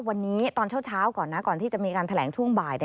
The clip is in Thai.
วันนี้ตอนเช้าก่อนนะก่อนที่จะมีการแถลงช่วงบ่าย